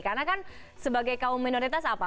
karena kan sebagai kaum minoritas apa